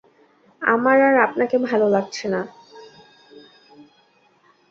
আমার আর আপনাকে ভালো লাগছে না।